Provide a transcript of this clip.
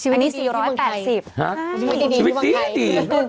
ชีวิตดีที่เมืองไทยชีวิตดีที่เมืองไทย